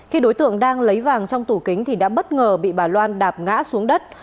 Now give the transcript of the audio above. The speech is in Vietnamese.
khi đối tượng đang lấy vàng trong tủ kính thì đã bất ngờ bị bà loan đạp ngã xuống đất